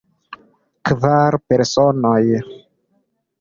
Kvar personoj.